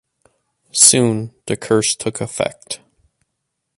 Soon, the curse took effect.